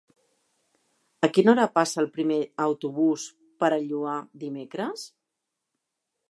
A quina hora passa el primer autobús per el Lloar dimecres?